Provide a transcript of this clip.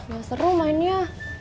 gak seru mainnya